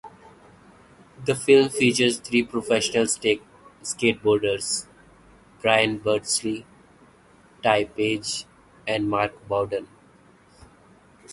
The film features three professional skateboarders: Bryan Beardsley, Ty Page, and Mark Bowden.